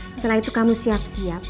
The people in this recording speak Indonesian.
setelah itu kamu siap siap